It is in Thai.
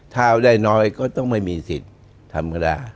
ถ้าได้น้อยก็ต้องไม่มีสิทธิ์ทำก็ได้